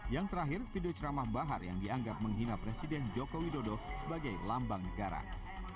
yang terakhir video ceramah bahar yang dianggap menghina presiden jokowi dodo sebagai lambang garang